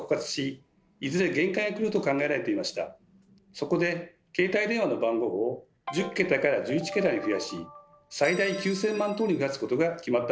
そこで携帯電話の番号を１０桁から１１桁に増やし最大９，０００万通りに増やすことが決まったんです。